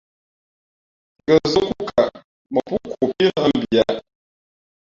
Ngα̌ zά kūʼkaʼ mα pō khu pí nάʼ mbiyāʼ.